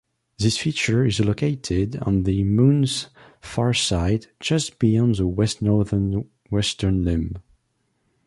This feature is located on the Moon's far side, just beyond the west-northwestern limb.